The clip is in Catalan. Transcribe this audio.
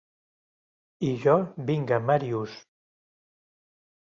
I jo, vinga Màrius.